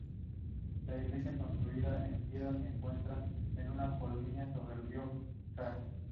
La iglesia construida en piedra se encuentra en una colina sobre el río Krka.